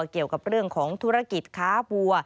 เกี่ยวกับเรื่องของธุรกิจค้าวัว